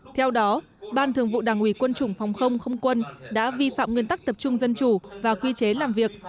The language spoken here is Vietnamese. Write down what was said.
theo đó ban thường vụ đảng ủy quân chủng phòng không không quân đã vi phạm nguyên tắc tập trung dân chủ và quy chế làm việc